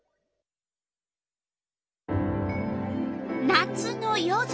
夏の夜空。